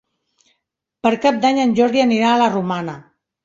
Per Cap d'Any en Jordi anirà a la Romana.